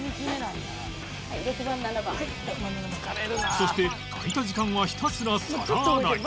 そして空いた時間はひたすら皿洗い